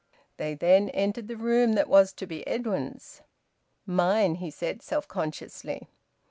They then entered the room that was to be Edwin's. "Mine!" he said self consciously.